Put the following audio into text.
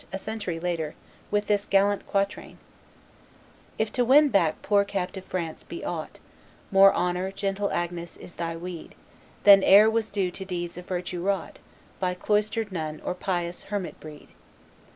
a century later, with this gallant quatrain: "If to win back poor captive France be aught, More honor, gentle Agnes, is thy weed, Than ere was due to deeds of virtue wrought By cloistered nun or pious hermit breed."